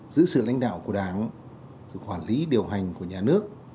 giữ sự lãnh đạo của đảng sự khoản lý điều hành của nhà nước